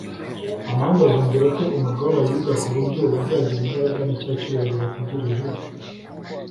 Amahanga azumvira ate umurwa w'abayuda ku buryo bazagira imbaraga na cya cyubahiro bategereje?